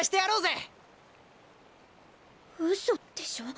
うそでしょ？